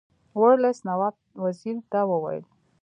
ورلسټ نواب وزیر ته وویل.